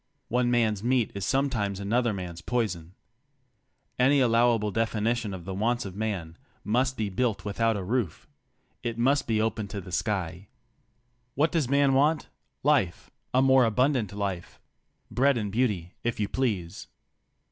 One man's meat is sometimes another man's poison. Any allowable definition of the wants of man must be built without a roof — it must be open to the sky. What does man want? Life! A more abundant life! Bread and beauty, if you please.